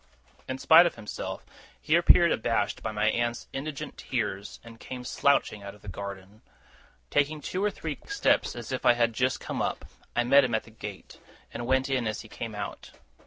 In spite of himself, he appeared abashed by my aunt's indignant tears, and came slouching out of the garden. Taking two or three quick steps, as if I had just come up, I met him at the gate, and went in as he came out.